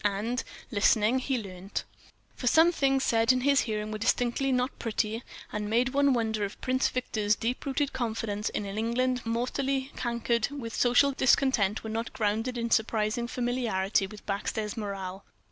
And, listening, he learned. For some things said in his hearing were distinctly not pretty, and made one wonder if Prince Victor's deep rooted confidence in an England mortally cankered with social discontent were not grounded in a surprising familiarity with backstairs morale.